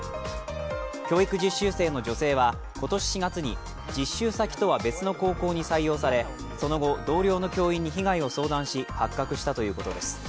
教育実習生の女性は今年４月に実習先とは別の高校に採用されその後、同僚の教員に被害を相談し発覚したということです。